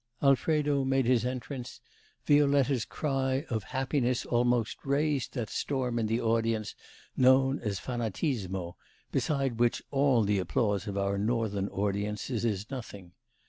Alfredo made his entrance; Violetta's cry of happiness almost raised that storm in the audience known as fanatismo, beside which all the applause of our northern audiences is nothing.